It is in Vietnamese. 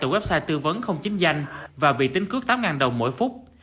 từ website tư vấn không chính danh và bị tính cước tám đồng mỗi phút